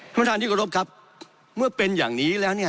ท่านประธานที่กรบครับเมื่อเป็นอย่างนี้แล้วเนี่ย